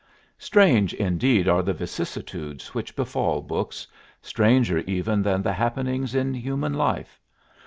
Strange indeed are the vicissitudes which befall books, stranger even than the happenings in human life.